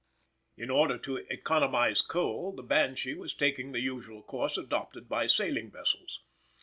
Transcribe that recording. In order to economise coal the Banshee was taking the usual course adopted by sailing vessels.